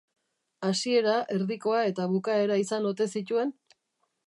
Hasiera, erdikoa eta bukaera izan ote zituen?